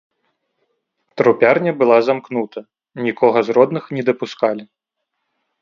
Трупярня была замкнута, нікога з родных не дапускалі.